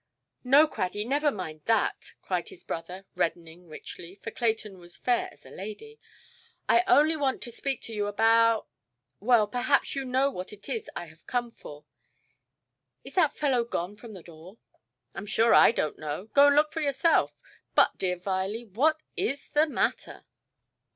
"No, Craddy, never mind that", cried his brother, reddening richly, for Clayton was fair as a lady, "I only want to speak to you about—well, perhaps, you know what it is I have come for. Is that fellow gone from the door"? "I am sure I donʼt know. Go and look yourself. But, dear Viley, what is the matter"?